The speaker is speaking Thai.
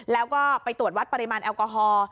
แล้วก็ไปตรวจวัดปริมาณแอลกอฮอล์